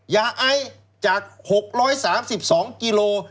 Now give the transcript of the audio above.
ยาไอจาก๖๓๒กิโล